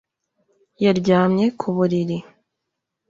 yaryamye ku buriri